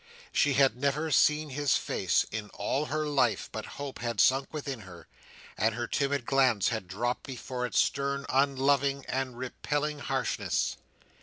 She had never seen his face in all her life, but hope had sunk within her, and her timid glance had dropped before its stern, unloving, and repelling harshness.